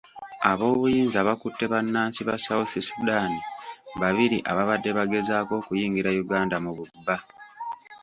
Abobuyinza bakutte bannansi ba South Sudan bibiri ababadde bagezaako okuyingira Uganda mu bubba.